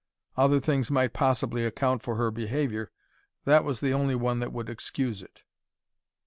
Other things might possibly account for her behaviour; that was the only one that would excuse it.